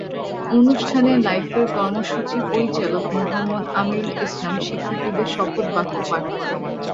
অনুষ্ঠানে লাইফের কর্মসূচি পরিচালক মুহাম্মদ আমীরুল ইসলাম শিক্ষার্থীদের শপথ বাক্য পাঠ করান।